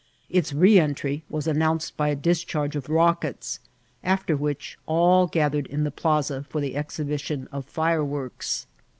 Its re entry was announced by a discharge of A BOMBARDMBNT. 265 Tooketoy after whioh all gathered in the plaza for the ex hibition of fireworks.